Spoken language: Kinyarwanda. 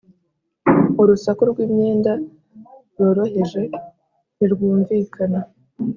urusaku rwimyenda yoroheje ntirwumvikana,